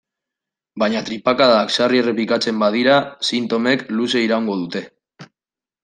Baina tripakadak sarri errepikatzen badira, sintomek luze iraungo dute.